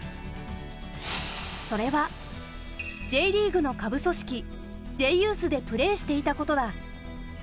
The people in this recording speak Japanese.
それはＪリーグの下部組織Ｊユースでプレーしていたことだ。